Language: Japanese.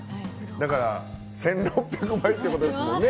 だから１６００倍ってことですもんね。